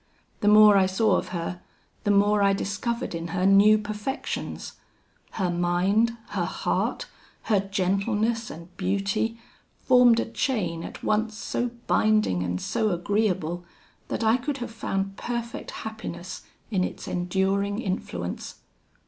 The more I saw of her, the more I discovered in her new perfections. Her mind, her heart, her gentleness and beauty, formed a chain at once so binding and so agreeable, that I could have found perfect happiness in its enduring influence.